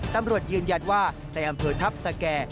ตำรวจยืนยันว่าในอำเภอทัพสแก่